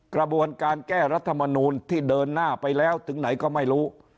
กระบวนการแก้รัฐมนูลที่เดินหน้าไปแล้วถึงไหนก็ไม่รู้